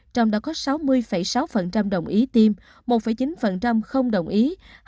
trong đó có sáu mươi sáu đồng ý tiêm một chín không đồng ý